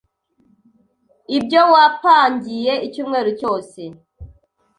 Ibyo wapangiye icyumweru cyose